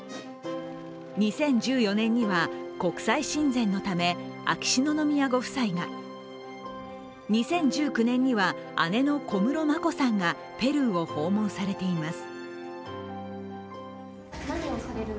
２０１４年には国際親善のため、秋篠宮ご夫妻が２０１９年には姉の小室眞子さんがペルーを訪問されています。